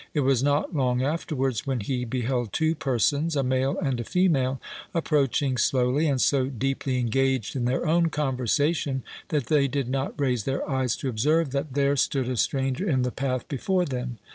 It was not long afterwards when he beheld two persons, a male and a female, approaching slowly, and so deeply engaged in their own conversation that they did not raise their eyes to observe that there stood a stranger in the path before them.